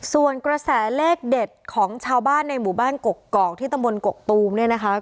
ส่วนกระแสเลขเด็ดของชาวบ้านในหมู่บ้านกกอกที่ตำบลกกตูมเนี่ยนะคะ